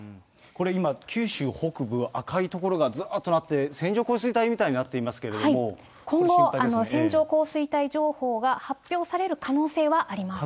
これ今、九州北部、赤い所がずーっとなって、線状降水帯みたいになっていますけれども、今後、線状降水帯情報が発表される可能性はあります。